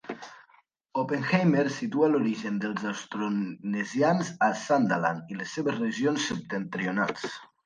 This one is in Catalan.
Oppenheimer situa l'origen dels austronesians a Sundaland i les seves regions septentrionals.